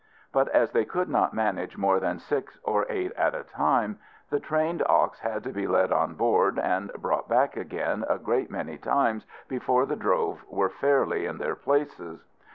But as they could not manage more than six or eight at a time, the trained ox had to be led on board, and brought back again a great many times before the drove were fairly in their places.